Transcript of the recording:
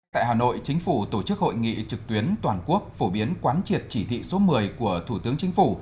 tại hà nội chính phủ tổ chức hội nghị trực tuyến toàn quốc phổ biến quán triệt chỉ thị số một mươi của thủ tướng chính phủ